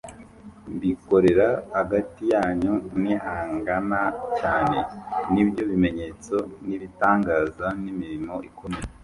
mbikorera hagati yanyu nihangana cyane, ni byo bimenyetso n’ibitangaza n’imirimo ikomeye.